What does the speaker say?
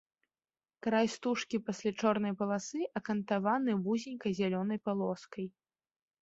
Край стужкі пасля чорнай паласы акантаваны вузенькай зялёнай палоскай.